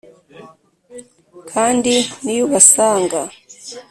kandi niyo ubasanga,